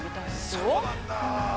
◆そうなんだあ。